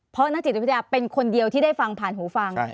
เพราะนักจิตวิทยาเป็นคนเดียวที่ได้ฟังผ่านหูฟัง